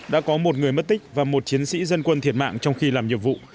đã có một người mất tích và một chiến sĩ dân quân thiệt mạng trong khi làm nhiệm vụ